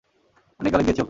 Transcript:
অনেক গালি দিয়েছি ওকে।